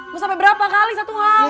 gue sampai berapa kali satu hal